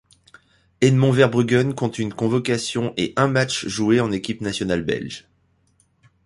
Edmond Verbruggen compte une convocation et un match joué en équipe nationale belge.